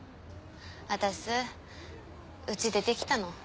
私家出てきたの。